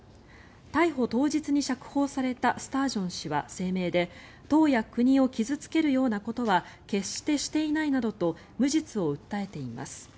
逮捕当日に釈放されたスタージョン氏は声明で党や国を傷付けるようなことは決してしていないなどと無実を訴えています。